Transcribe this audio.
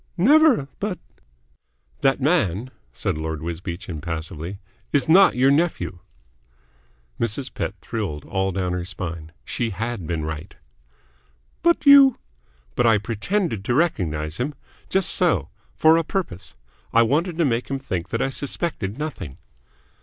"Never. But " "That man," said Lord Wisbeach impassively, "is not your nephew." Mrs. Pett thrilled all down her spine. She had been right. "But you " "But I pretended to recognise him? Just so. For a purpose. I wanted to make him think that I suspected nothing."